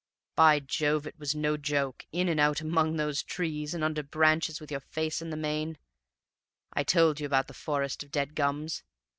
By Jove, it was no joke, in and out among those trees, and under branches with your face in the mane! I told you about the forest of dead gums?